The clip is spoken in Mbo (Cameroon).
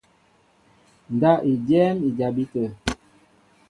Ndáp i dyɛ́ɛ́m i jabí tə̂.